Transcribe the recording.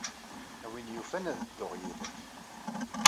A win yufan, ad dduɣ yid-m.